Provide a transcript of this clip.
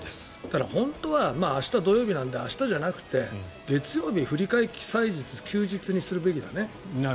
本当は明日、土曜日なので明日じゃなくて月曜日振替祭日、休日にするべきだね。